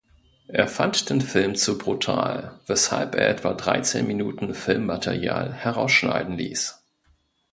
Er fand den Film zu brutal, weshalb er etwa dreizehn Minuten Filmmaterial herausschneiden ließ.